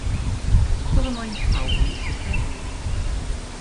'So fe moyn cawl i swper.